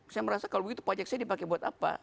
saya merasa kalau begitu pajak saya dipakai buat apa